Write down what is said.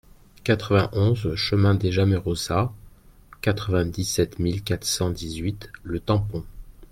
quatre-vingt-onze chemin des Jamerosas, quatre-vingt-dix-sept mille quatre cent dix-huit Le Tampon